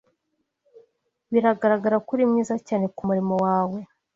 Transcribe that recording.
Biragaragara ko uri mwiza cyane kumurimo wawe.